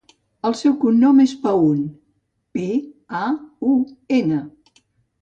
El seu cognom és Paun: pe, a, u, ena.